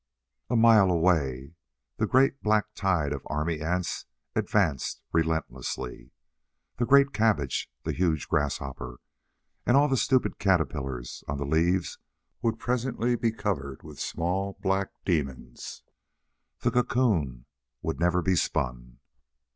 A mile away, the great black tide of army ants advanced relentlessly. The great cabbage, the huge grasshopper, and all the stupid caterpillars on the leaves would presently be covered with small, black demons. The cocoon would never be spun.